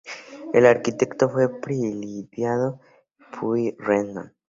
El arquitecto fue Prilidiano Pueyrredón.